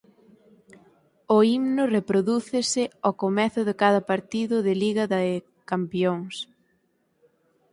O himno reprodúcese o comezo de cada partido de Liga de Campións.